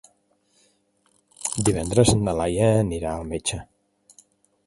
Divendres na Laia anirà al metge.